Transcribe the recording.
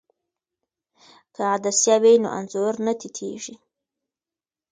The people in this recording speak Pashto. که عدسیه وي نو انځور نه تتېږي.